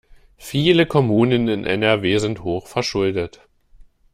Viele Kommunen in NRW sind hochverschuldet.